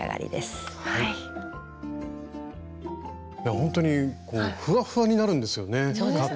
ほんとにふわふわになるんですよね